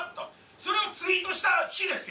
それをツイートした日ですよ。